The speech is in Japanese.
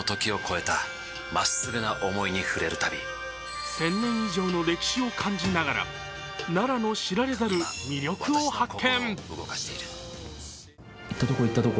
１０００年以上の歴史を感じながら奈良の知られざる魅力を発見。